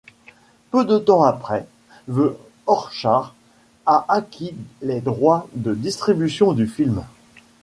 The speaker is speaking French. Peu de temps après, The Orchard a acquis les droits de distribution du film.